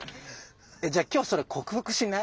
じゃあ今日それ克服しない？